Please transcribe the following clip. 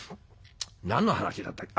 何の話だったあ